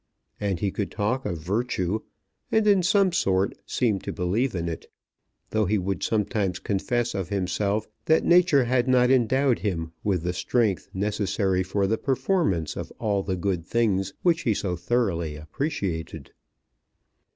And he could talk of virtue, and in some sort seem to believe in it, though he would sometimes confess of himself that Nature had not endowed him with the strength necessary for the performance of all the good things which he so thoroughly appreciated.